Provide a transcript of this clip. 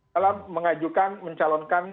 dalam mengajukan mencalonkan